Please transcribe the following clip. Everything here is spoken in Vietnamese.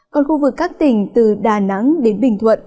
còn khu vực các tỉnh từ đà nẵng đến bình thuận